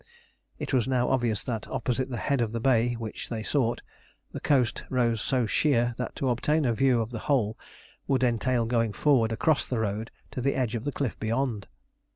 It was now obvious that opposite the head of the bay which they sought, the coast rose so sheer, that to obtain a view of the whole would entail going forward across the road to the edge of the cliff beyond.